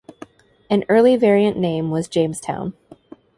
An early variant name was "Jamestown".